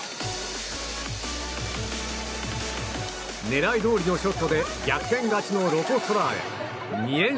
狙いどおりのショットで逆転勝ちのロコ・ソラーレ。